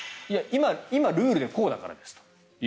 今、ルールでこうだからですと。